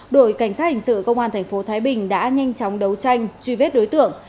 đội cảnh sát hình sự công an tp thái bình đã nhanh chóng đấu tranh truy vết đối tượng